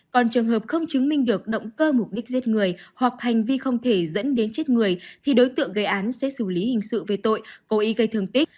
còn trường hợp không chứng minh được động cơ mục đích giết người hoặc hành vi không thể dẫn đến chết người thì đối tượng gây án sẽ xử lý hình sự về tội cố ý gây thương tích